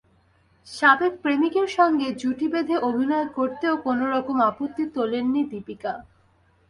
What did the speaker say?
সাবেক প্রেমিকের সঙ্গে জুটি বেঁধে অভিনয় করতেও কোনো রকম আপত্তি তোলেননি দীপিকা।